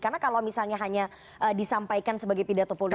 karena kalau misalnya hanya disampaikan sebagai pidato politik